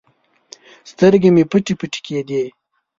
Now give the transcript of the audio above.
سترګې مې پټې پټې کېدې.